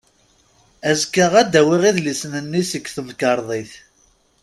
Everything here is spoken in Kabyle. Azekka ad d-awiɣ idlisen-nni seg temkerḍit.